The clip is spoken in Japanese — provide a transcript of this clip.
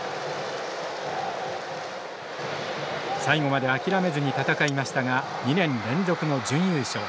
最後まで諦めずに戦いましたが２年連続の準優勝。